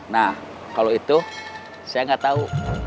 nah kalau itu saya nggak tahu